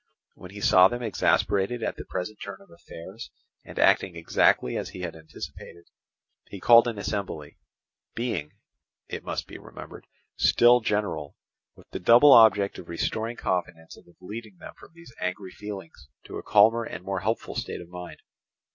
When he saw them exasperated at the present turn of affairs and acting exactly as he had anticipated, he called an assembly, being (it must be remembered) still general, with the double object of restoring confidence and of leading them from these angry feelings to a calmer and more hopeful state of mind.